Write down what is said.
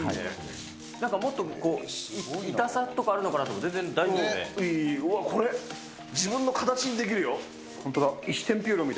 なんかもっとこう、痛さとかあるのかなと思ったら、全然大丈夫でいい、うわっ、これ、自分の本当だ。